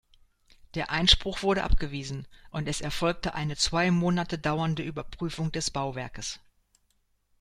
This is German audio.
Der Einspruch wurde abgewiesen und es erfolgte eine zwei Monate dauernde Überprüfung des Bauwerkes.